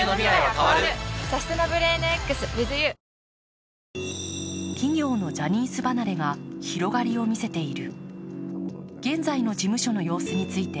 「東芝」企業のジャニーズ離れが広がりを見せている。